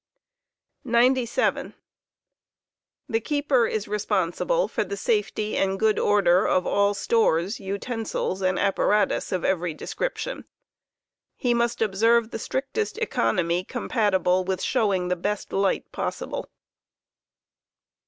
97. The keeper is responsible for the safety and good order of all stores, utensils Carouf stores, and apparatus of every description. He must observe the strictest economy compati ble with showing the best light possible.